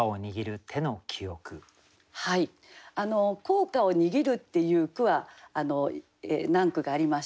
「硬貨を握る」っていう句は何句かありました。